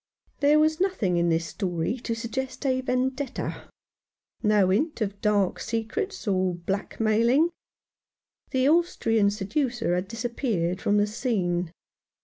u There was nothing in this story to suggest a vendetta ; no hint of dark secrets or of black mailing. The Austrian seducer had disappeared from the scene.